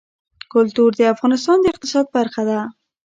کلتور د افغانستان د اقتصاد برخه ده.